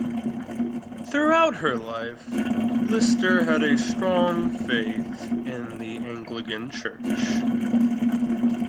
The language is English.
Throughout her life, Lister had a strong faith in the Anglican Church.